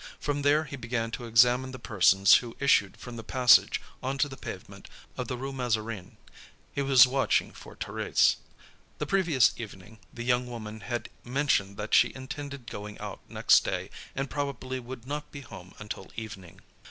From there, he began to examine the persons who issued from the passage on to the pavement of the Rue Mazarine. He was watching for Thérèse. The previous evening, the young woman had mentioned that she intended going out next day and probably would not be home until evening.